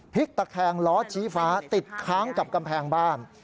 ตะแคงล้อชี้ฟ้าติดค้างกับกำแพงบ้าน